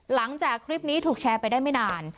หลังจากคลิปนี้ถูกแชร์ไปได้ไม่นาน